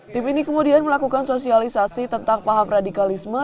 tim ini kemudian melakukan sosialisasi tentang paham radikalisme